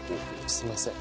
すいません。